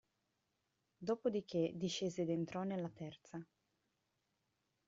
Dopodiché discese ed entrò nella terza.